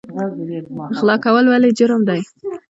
غلا کول ولې جرم دی؟